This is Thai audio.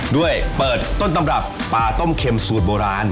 ด้วยเปิดต้นตำรับปลาต้มเข็มสูตรโบราณ